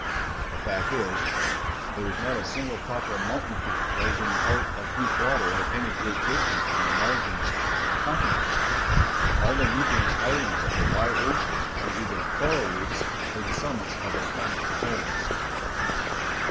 The fact is, there is not a single proper mountain peak rising out of deep water at any great distance from the margins of the continents. All the numerous islands of the wide oceans are either coral reefs or the summits of volcanic cones.